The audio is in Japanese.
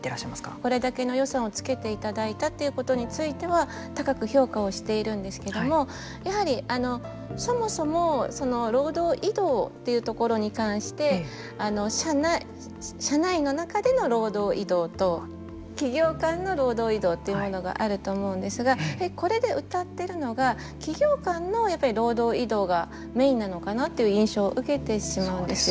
これだけの予算をつけていただいたということについては高く評価をしているんですけどもやはり、そもそも労働移動というところに関して社内の中での労働移動と企業間の労働移動というものがあると思うんですがこれでうたってるのが企業間の労働移動がメインなのかなという印象を受けてしまうんですよ。